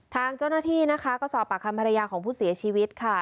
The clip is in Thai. ทางเจ้าหน้าที่นะคะก็สอบปากคำภรรยาของผู้เสียชีวิตค่ะ